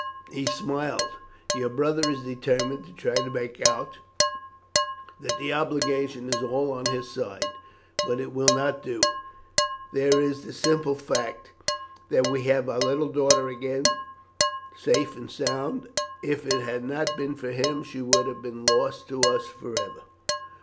He smiled, "Your brother is determined to try to make out that the obligation is all on his side, but it will not do. There is the simple fact that we have our little daughter again, safe and sound. If it had not been for him she would have been lost to us for ever."